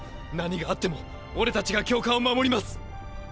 何があっても俺たちが教官を守ります！！